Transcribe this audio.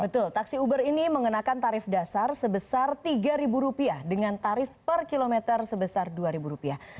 betul taksi uber ini mengenakan tarif dasar sebesar rp tiga dengan tarif per kilometer sebesar dua ribu rupiah